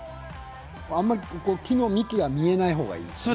あまり木の幹が見えないほうがいいですね？